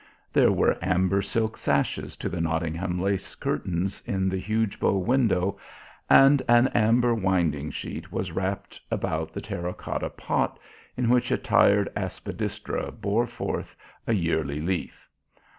There were amber silk sashes to the Nottingham lace curtains at the huge bow window and an amber winding sheet was wrapped about the terra cotta pot in which a tired aspidistra bore forth a yearly leaf.